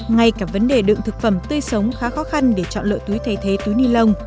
ngay cả vấn đề đựng thực phẩm tươi sống khá khó khăn để chọn lợi túi thay thế túi ni lông